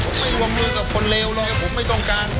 ไม่ว่างมือกับคนเลวหรอกผมไม่ต้องการ